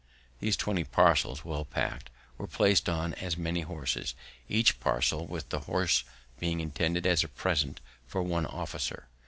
These twenty parcels, well pack'd, were placed on as many horses, each parcel, with the horse, being intended as a present for one officer.